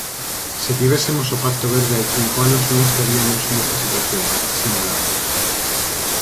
"Se tivésemos o Pacto Verde hai cinco anos non estariamos nesta situación", sinalaba.